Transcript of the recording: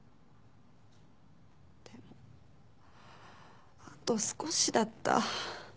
でもあと少しだった。